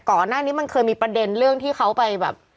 ก่อนหน้านี้มันเคยมีประเด็นเรื่องที่เขาไปแบบ